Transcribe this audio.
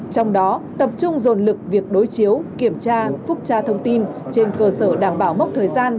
trong đó tập trung dồn lực việc đối chiếu kiểm tra phúc tra thông tin trên cơ sở đảm bảo mốc thời gian